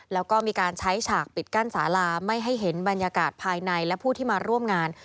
แล้วก็มีการใช้ฉากปิดกั้นสาลาไม่ให้เห็นบรรยากาศภายในและผู้ที่มาร่วมงาน